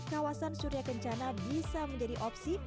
kawasan surya kencana bisa menjadi opsi